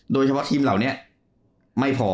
โดยเฉพาะทีมเหล่านี้ไม่พอ